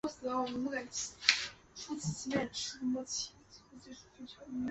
美国总统杰斐逊决定派遣使者前往摩洛哥和阿尔及利亚试图商谈交换船员。